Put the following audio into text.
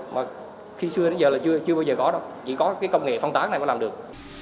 mà khi xưa đến giờ là chưa bao giờ có đâu chỉ có cái công nghệ phong tác này mới làm được